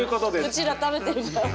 うちら食べてるじゃあ。